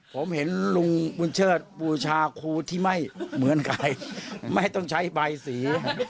ผมเห็นลุงบุญเชิดบูชาครูที่ไม่เหมือนใครไม่ต้องใช้ใบสี